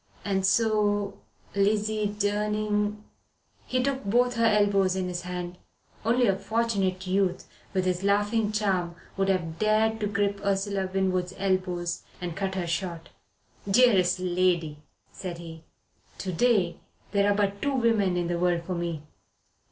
"And so Lizzie Durning " He took both her elbows in his hands only a Fortunate Youth, with his laughing charm, would have dared to grip Ursula Winwood's elbows and cut her short. "Dearest lady," said he, "to day there are but two women in the world for me.